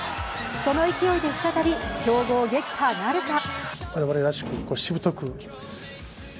その勢いで再び強豪撃破なるか？